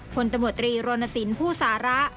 ผลตมตรีโรนสินผู้สาระ